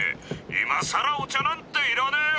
今更お茶なんていらねえよ！